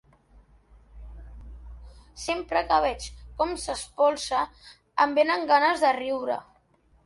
Sempre que veig com s'espolsa em vénen ganes de riure.